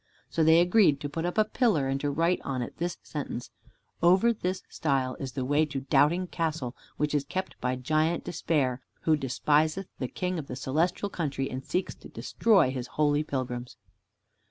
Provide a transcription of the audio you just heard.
So they agreed to put up there a pillar, and to write on it this sentence: "Over this stile is the way to Doubting Castle, which is kept by Giant Despair, who despiseth the King of the Celestial Country and seeks to destroy His holy pilgrims."